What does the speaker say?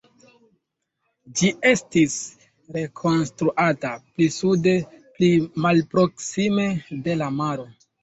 Ĝi estis rekonstruata pli sude, pli malproksime de la maro.